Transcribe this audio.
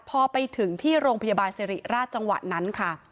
พอไปถึงที่โรงพยาบาลสิริราชจังหวะนั้นค่ะ